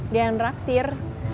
dia yang ngeraktir